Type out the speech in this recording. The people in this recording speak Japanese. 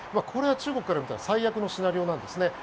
これは中国から見たら最悪のシナリオなんですね。